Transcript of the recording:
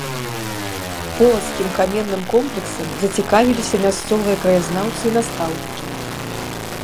Полацкім каменным комплексам зацікавіліся мясцовыя краязнаўцы і настаўнікі.